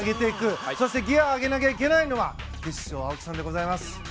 そしてギアを上げなきゃいけないのは青木さんでございます。